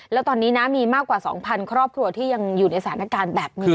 แล้วตอนนี้นะมีมากกว่า๒๐๐ครอบครัวที่ยังอยู่ในสถานการณ์แบบนี้